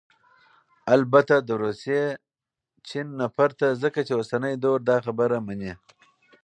البته دروسي ، چين ... نه پرته ، ځكه چې اوسنى دور داخبره مني